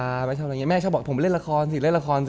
พี่เริ่มมาเป็นอย่างงี้พ่อเป็นอย่างงี้พ่อเป็นอย่างงี้พ่อเป็นอย่างงี้